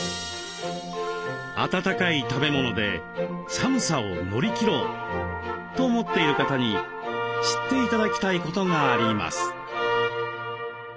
温かい食べ物で寒さを乗り切ろうと思っている方に知って頂きたいことがあります。